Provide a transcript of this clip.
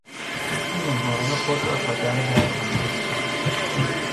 او مهمانان خود را تا دم در همراهی کرد.